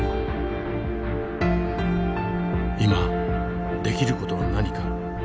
今できる事は何か。